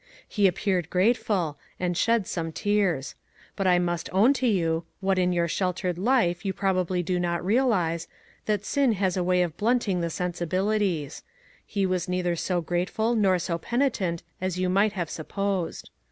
He appeared grateful, and shed some tears; but I must own to you — what in your sheltered life, you probably do not realize — that sin has a way of blunting the sensibilities; he was neither so grateful nor so penitent as you might have supposed.